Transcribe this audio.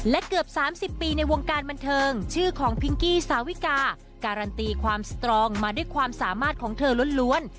และเกือบ๓๐ปีในวงการบันเทิงชื่อของพิงกี้สาวิกาการันตีความสตรองมาด้วยความสามารถของเธอล้วน